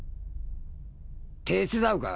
手伝うか？